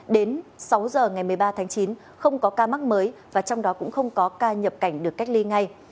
đến sáu giờ ngày một mươi ba tháng chín không có ca mắc mới và trong đó cũng không có ca nhập cảnh được cách ly ngay